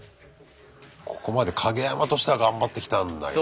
ここまでカゲヤマとしては頑張ってきたんだけど。